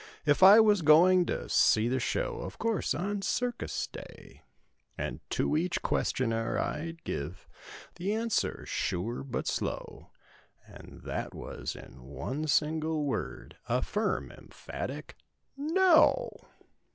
If I was going to see the show— Of course on circus day, And to each questioner I'd give The answer sure but slow. And that was in one single word— A firm, emphatic "No!"